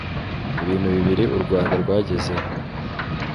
ibintu bibiri urwanda rwagezeho